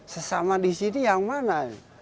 sesama di sini yang mana